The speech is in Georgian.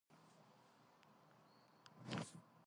მდებარეობს კორიენტესის პროვინციის ჩრდილო-დასავლეთში.